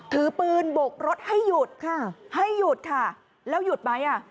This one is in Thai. ถือปืนบกรถให้หยุดค่ะให้หยุดค่ะแล้วหยุดไหมอ่ะ